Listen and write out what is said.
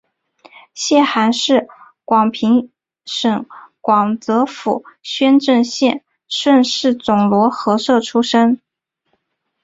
谢涵是广平省广泽府宣政县顺示总罗河社出生。